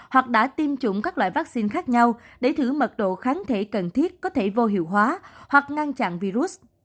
hoặc đã tiêm chủng các loại vaccine khác nhau để thử mật độ kháng thể cần thiết có thể vô hiệu hóa hoặc ngăn chặn virus